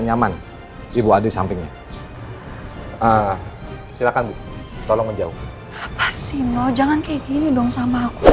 nyaman ibu ada sampingnya silakan tolong menjauh apa sih mau jangan kayak gini dong sama aku